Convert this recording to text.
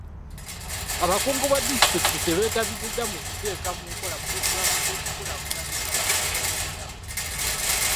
Abakungu ba disitulikiti tebeetabiziddwa mu kuteeka mu nkola pulogulamu z'okukulaakulanya abanoonyiboobubudamu.